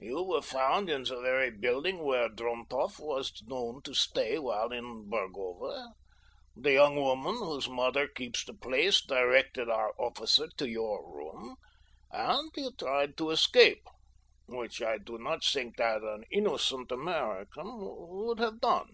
You were found in the very building where Drontoff was known to stay while in Burgova. The young woman whose mother keeps the place directed our officer to your room, and you tried to escape, which I do not think that an innocent American would have done.